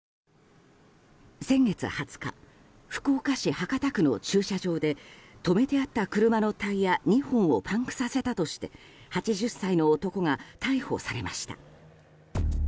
先月２０日福岡市博多区の駐車場で止めてあった車のタイヤ２本をパンクさせたとして８０歳の男が逮捕されました。